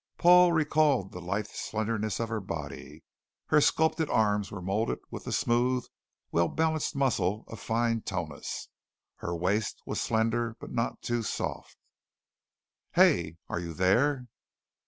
Paul recalled the lithe slenderness of her body. Her sculptured arms were molded with the smooth, well balanced muscle of fine tonus. Her waist was slender but not too soft "Hey! Are you there?"